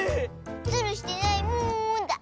ズルしてないもんだ。